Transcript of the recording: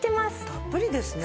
たっぷりですね。